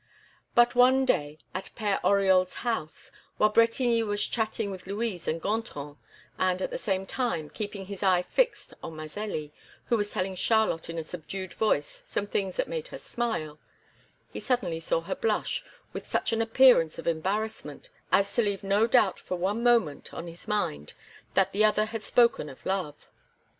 But, one day, at Père Oriol's house, while Bretigny was chatting with Louise and Gontran, and, at the same time, keeping his eye fixed on Mazelli, who was telling Charlotte in a subdued voice some things that made her smile, he suddenly saw her blush with such an appearance of embarrassment as to leave no doubt for one moment on his mind that the other had spoken of love.